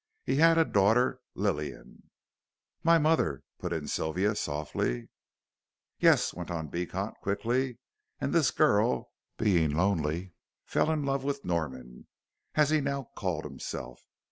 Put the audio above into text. He had a daughter, Lillian " "My mother," put in Sylvia, softly. "Yes," went on Beecot, quickly, "and this girl being lonely fell in love with Norman, as he now called himself.